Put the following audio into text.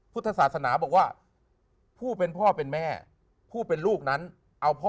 พุทธศาสนาบอกว่าผู้เป็นพ่อเป็นแม่ผู้เป็นลูกนั้นเอาพ่อ